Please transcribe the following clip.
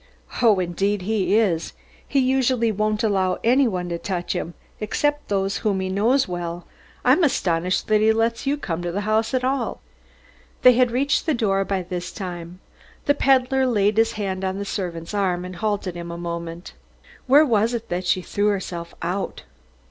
"Oh, indeed he is. He usually won't allow anybody to touch him, except those whom he knows well. I'm astonished that he lets you come to the house at all." They had reached the door by this time. The peddler laid his hand on the servant's arm and halted a moment. "Where was it that she threw herself out?"